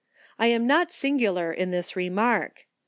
I am not singular in this remark.